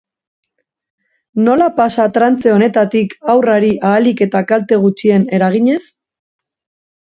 Nola pasa trantze honetatik haurrari ahalik eta kalte gutxien eraginez?